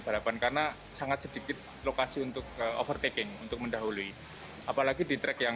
balapan karena sangat sedikit lokasi untuk overtaking untuk mendahului apalagi di track yang